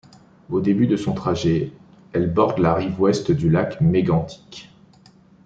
Au début de son trajet, elle borde la rive ouest du Lac Mégantic.